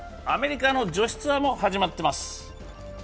アメリカの女子ツアーも始まっています。